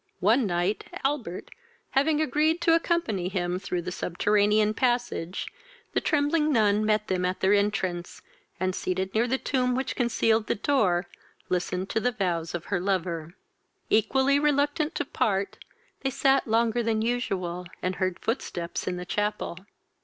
One night, Albert, having agreed to accompany him through the subterranean passage, the trembling nun met them at their entrance, and seated near the tomb which concealed the door, listened to the vows of her lover. Equally reluctant to part, they sat longer than usual, and heard footsteps in the chapel.